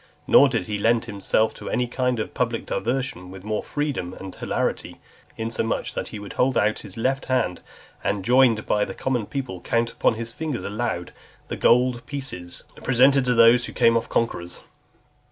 Nor did he lend himself to any kind of public diversion with more freedom and hilarity; insomuch that he would hold out his left hand, and (314) joined by the common people, count upon his fingers aloud the gold pieces presented to those who came off conquerors.